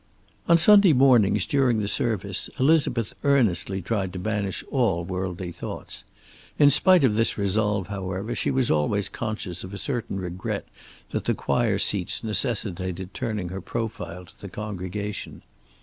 On Sunday mornings, during the service, Elizabeth earnestly tried to banish all worldly thoughts. In spite of this resolve, however, she was always conscious of a certain regret that the choir seats necessitated turning her profile to the congregation.